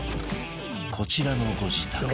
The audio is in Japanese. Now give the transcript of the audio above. こちらのご自宅